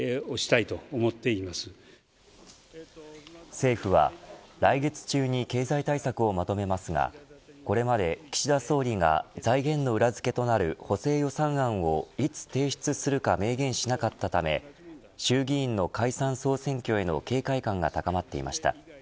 政府は来月中に経済対策をまとめますがこれまで岸田総理が財源の裏付けとなる補正予算案をいつ提出するか明言しなかったため衆議院の解散総選挙への警戒感が高まっていました。